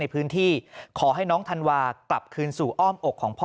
ขอให้น้องธันวากลับคืนสู่อ้อมอกของพ่อ